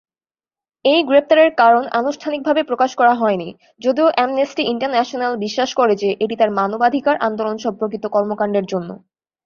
এই গ্রেপ্তারের কারণ আনুষ্ঠানিকভাবে প্রকাশ করা হয়নি, যদিও অ্যামনেস্টি ইন্টারন্যাশনাল বিশ্বাস করে যে এটি তার মানবাধিকার আন্দোলন সম্পর্কিত কর্মকাণ্ডের জন্য।